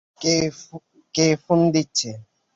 কে phone দিচ্ছে?